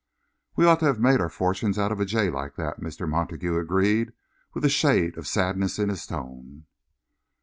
"We ought to have made our fortunes out of a jay like that," Mr. Montague agreed, with a shade of sadness in his tone.